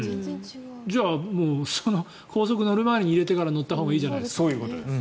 じゃあ高速に乗る前に入れてから行ったほうがそういうことです。